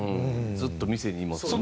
ずっと店にいますもんね。